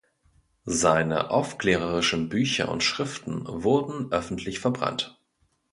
Seine aufklärerischen Bücher und Schriften wurden öffentlich verbrannt.